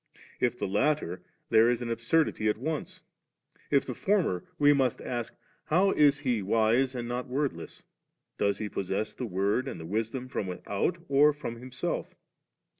if die latter, there is an absurdity at once ; if the former, we must ask, how is He wise and not word less ? does He possess the Word and the Wisdom from without, or from Himself?